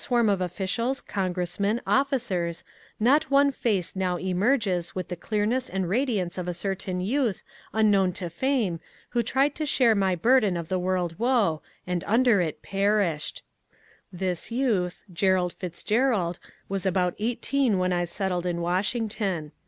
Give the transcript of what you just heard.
Of all that swarm of officials, congressmen, officers, not one GERALD FITZGERALD 221 face now emerges with the clearness and radiance of a certain youth unknown to fame who tried to share my burden of the world woe, and under it perished. This youth, Gerald Fitz Grerald, was about eighteen when I settled in Washington.